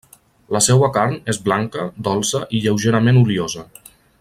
La seua carn és blanca, dolça i lleugerament oliosa.